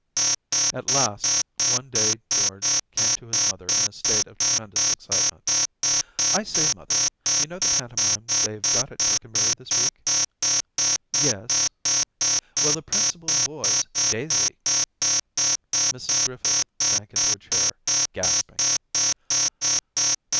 ... At last, one day George came to his mother in a state of tremendous excitement. ' I say, mother, you know the pantomime they've got at Tercanbury this week ?'' Yes/ * Well, the principal boy's Daisy.' Mrs Griffith sank into a chair, gasping.